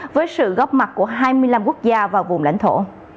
với sự góp mặt của hai mươi năm quốc gia và vùng lãnh thổ